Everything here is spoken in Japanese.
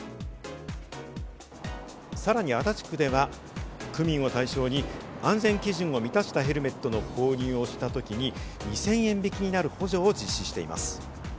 さらに足立区では、区民を対象に安全基準を満たしたヘルメットの購入をした時に、２０００円引きになる補助を実施しています。